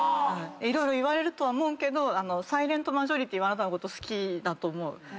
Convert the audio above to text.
色々言われるとは思うけどサイレントマジョリティーはあなたのこと好きだと思う。